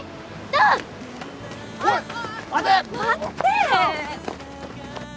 待って！